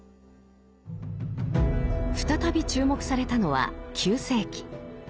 再び注目されたのは９世紀。